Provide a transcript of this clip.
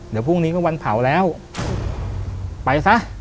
เดี๋ยวพรุ่งนี้ก็วันเผาแล้วไปซะ